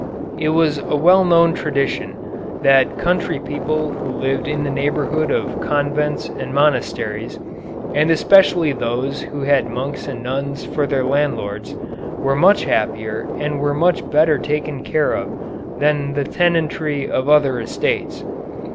It was a well known tradition that country people who lived in the neighborhood of convents and monasteries, and especially those who had monks and nuns for their landlords, were much happier and were much better taken care of than the tenantry of other estates.